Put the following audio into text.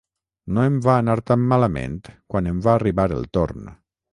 No em va anar tan malament quan em va arribar el torn.